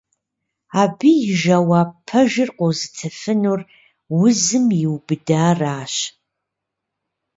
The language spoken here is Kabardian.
Абы и жэуап пэжыр къозытыфынур узым иубыдаращ.